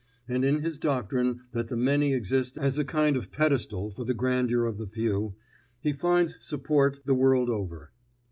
And in his doctrine that the many exist as a kind of pedestal for the grandeur of the few, he finds support the world over.